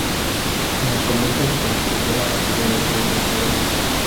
En el convento se construyó la capilla del Rey Don Pedro.